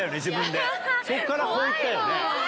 そっからこういったよね。